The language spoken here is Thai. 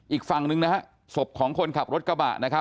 อีกฝั่งหนึ่งศพของคนขับรถกระบะ